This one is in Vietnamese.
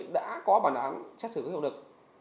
đã có bản án xét xử các hiệu lực